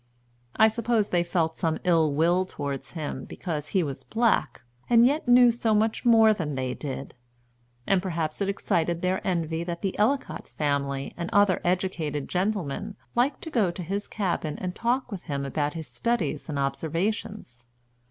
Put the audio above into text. I suppose they felt some ill will toward him because he was black, and yet knew so much more than they did; and perhaps it excited their envy that the Ellicott family and other educated gentlemen liked to go to his cabin and talk with him about his studies and observations.